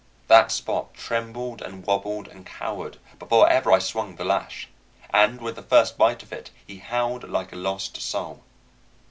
That Spot trembled and wobbled and cowered before ever I swung the lash, and with the first bite of it he howled like a lost soul.